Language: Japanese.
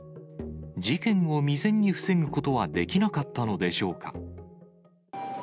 事件を未然に防ぐことはできなかったのでしょうか。